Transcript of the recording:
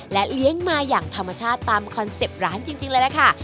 และเลี้ยงมาอย่างธรรมชาติตามคอนเซ็ปต์ร้านจริงเลยล่ะค่ะ